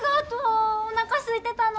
おなかすいてたの！